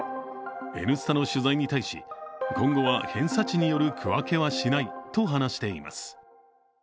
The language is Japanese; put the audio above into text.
「Ｎスタ」の取材に対し、今後は偏差値による区分けはしないと話しています。